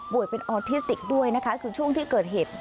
เป็นออทิสติกด้วยนะคะคือช่วงที่เกิดเหตุ